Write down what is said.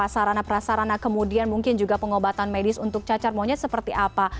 sarana prasarana kemudian mungkin juga pengobatan medis untuk cacar monyet seperti apa